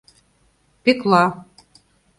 Пӧкла.